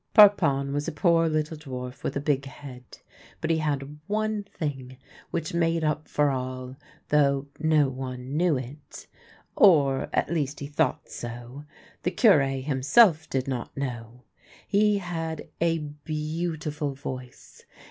Parpon was a poor little dwarf with a big head, but he had one thing which made up for all, though no one knew it — or, at least, he thought so. The Cure himself did not know. He had a beautiful voice.